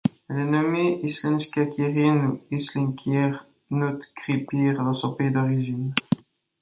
Elle est nommée Íslenska kýrin ou Íslenskir nautgripir dans son pays d'origine.